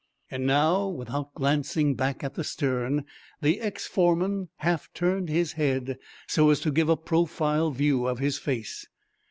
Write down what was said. And now, without glancing back at the stern, the ex foreman half turned his head, so as to give a profile view of his face.